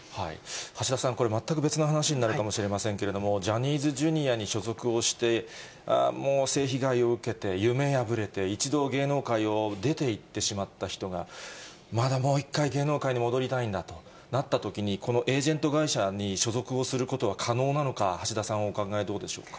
橋田さん、これは全く別の話になるかもしれませんが、ジャニーズＪｒ．に所属をして、もう性被害を受けて、夢破れて、一度、芸能界を出ていってしまった人が、まだもう一回、芸能界に戻りたいんだということになったときに、このエージェント会社に所属をすることは可能なのか、橋田さんは、お考えどうでしょうか？